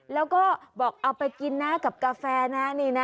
แล้วก็บอกเอาไปกินนะกับกาแฟนะ